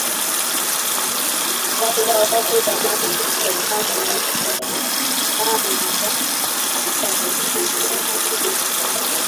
watu hawakuwa na mtazamo wa kuzama kwa titanic